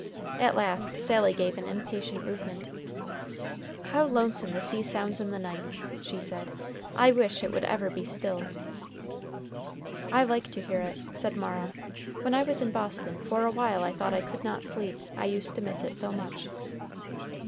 At last Sally gave an impatient movement. "How lonesome the sea sounds in the night," she said. "I wish it would ever be still." "I like to hear it," said Mara. "When I was in Boston, for a while I thought I could not sleep, I used to miss it so much."